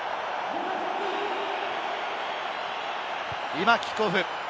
今、キックオフ。